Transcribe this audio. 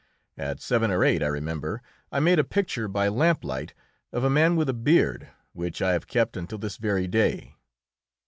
At seven or eight, I remember, I made a picture by lamplight of a man with a beard, which I have kept until this very day.